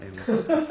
ハハハ。